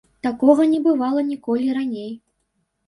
Такога не бывала ніколі раней.